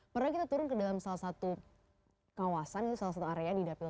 pernah kita turun ke dalam salah satu kawasan salah satu area di dapil